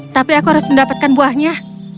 tapi aku harus mendapatkan buahnya